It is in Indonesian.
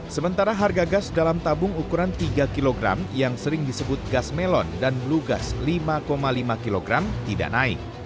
sementara harga gas dalam tabung ukuran tiga kg yang sering disebut gas melon dan blue gas lima lima kg tidak naik